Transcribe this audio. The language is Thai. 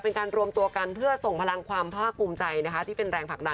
เป็นการรวมตัวกันเพื่อทรงพลังความเพื่อคุมใจนะคะ